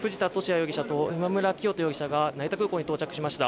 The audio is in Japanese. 容疑者と今村磨人容疑者が成田空港に到着しました。